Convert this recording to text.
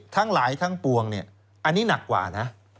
ทั้งหลายทั้งปวงเนี่ยอันนี้หนักกว่านะ